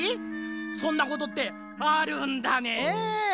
そんなことってあるんだねぇ。